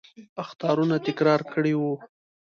اخطارونه تکرار کړي وو.